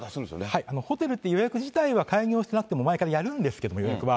もうホテルって、予約自体は開業してなくても、前からやるんですけれども、予約は。